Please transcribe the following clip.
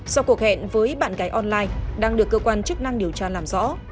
sau cuộc hẹn với bạn gái online đang được cơ quan chức năng điều tra làm rõ